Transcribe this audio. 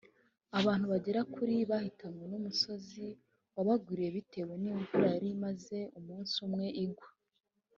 abantu bagera kuri bahitanwe n’umusozi wabagwiriye bitewe n’imvura yari imaze umunsi umwe igwa